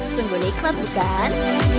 sungguh nikmat bukan